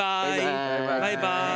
バイバーイ。